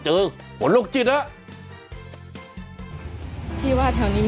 เจอหลกจิตแล้ว